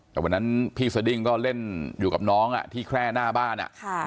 แต่วันนั้นพี่สดิ้งก็เล่นอยู่กับน้องที่แคร่หน้าบ้าน